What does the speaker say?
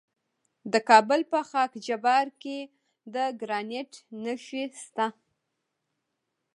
د کابل په خاک جبار کې د ګرانیټ نښې شته.